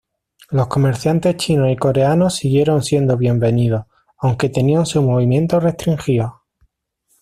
Los comerciantes chinos y coreanos siguieron siendo bienvenidos, aunque tenían sus movimientos restringidos.